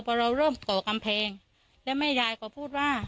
พอเราเริ่มก่อกำแพงแล้วแม่ยายก็พูดว่า